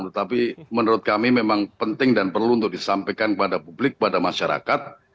tetapi menurut kami memang penting dan perlu untuk disampaikan kepada publik kepada masyarakat